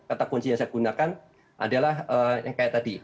kata kunci yang saya gunakan adalah yang kayak tadi